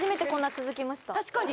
確かに！